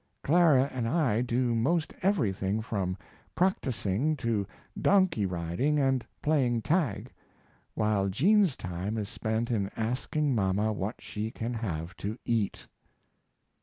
Clara and I do most everything from practicing to donkey riding and playing tag. While Jean's time is spent in asking mama what she can have to eat.